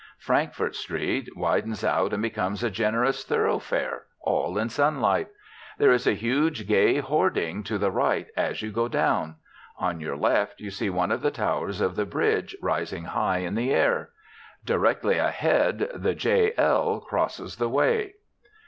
Frankfort Street widens out and becomes a generous thoroughfare, all in sunlight. There is a huge, gay hoarding to the right as you go down. On your left you see one of the towers of the Bridge rising high in the air. Directly ahead the "JL" crosses the way!